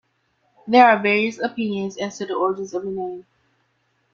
There are various opinions as to the origins of the name.